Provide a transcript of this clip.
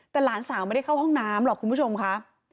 แต่หลานสาวไม่ได้เข้าห้องน้ำหรอกคุณผู้ชมค่ะ